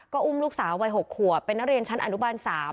ก็อุ้มลูกสาววัย๖ขวบเป็นนักเรียนชั้นอนุบาล๓